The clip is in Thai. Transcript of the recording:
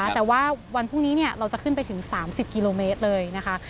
แต่ว่าวันพรุ่งนี้เราจะขึ้นไปถึง๓๐กิโลเมตรเลยนะคะ